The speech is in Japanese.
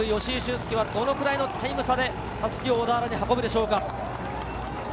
恭はどのくらいのタイム差で襷を大田原に運ぶでしょうか。